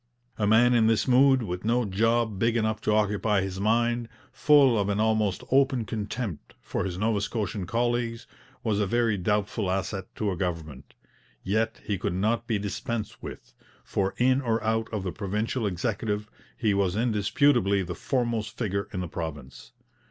A man in this mood, with no job big enough to occupy his mind, full of an almost open contempt for his Nova Scotian colleagues, was a very doubtful asset to a government. Yet he could not be dispensed with, for in or out of the provincial Executive he was indisputably the foremost figure in the province.